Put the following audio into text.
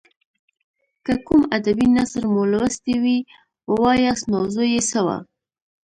که کوم ادبي نثر مو لوستی وي ووایاست موضوع یې څه وه.